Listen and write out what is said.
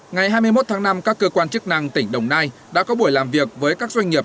ngày hai mươi một tháng năm các cơ quan chức năng tỉnh đồng nai đã có buổi làm việc với các doanh nghiệp